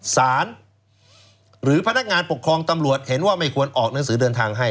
หรือพนักงานปกครองตำรวจเห็นว่าไม่ควรออกหนังสือเดินทางให้